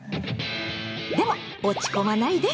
でも落ち込まないで！